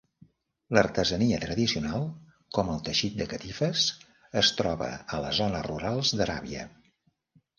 L'artesania tradicional, com el teixit de catifes, es troba a les zones rurals d'Aràbia.